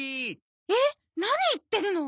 えっ何言ってるの？